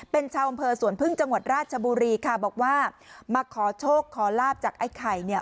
เป็นชาวอำเภอสวนพึ่งจังหวัดราชบุรีค่ะบอกว่ามาขอโชคขอลาบจากไอ้ไข่เนี่ย